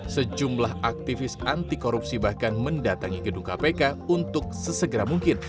sejumlah aktivis anti korupsi bahkan mendatangi gedung kpk untuk sesegera mungkin